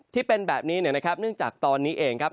ที่เป็นแบบนี้เนี่ยนะครับเนื่องจากตอนนี้เองครับ